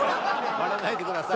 割らないでください。